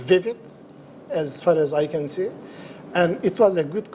dan itu adalah kesempatan yang baik